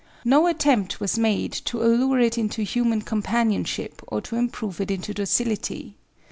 No attempt was made to allure it into human companionship or to improve it into docility.